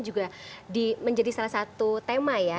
juga menjadi salah satu tema ya